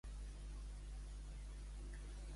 Justícia forta, gent molla.